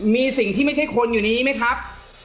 มีสิ่งที่ไม่ใช่คนอยู่นี้ไหมครับ